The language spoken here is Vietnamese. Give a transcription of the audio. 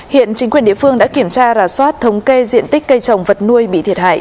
hiện chính quyền địa phương đã kiểm tra rà soát thống kê diện tích cây trồng vật nuôi bị thiệt hại